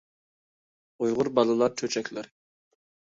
ئۇيغۇر بالىلار چۆچەكلىرى